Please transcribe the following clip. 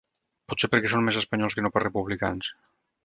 Potser perquè són més espanyols que no pas republicans.